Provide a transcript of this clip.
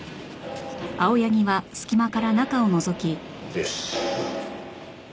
よし。